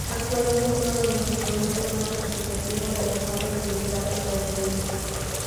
Actualmente es uno de los instrumentos más representativos de las bandas militares estadounidenses.